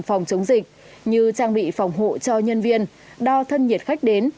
phòng chống dịch như trang bị phòng hộ cho nhân viên đo thân nhiệt khách đến